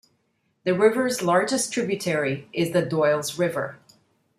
The river's largest tributary is the Doyles River.